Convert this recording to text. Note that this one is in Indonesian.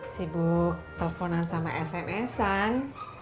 sibuk telponan sama sms an